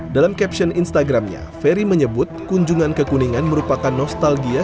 dalam caption instagramnya ferry menyebut kunjungan ke kuningan merupakan nostalgia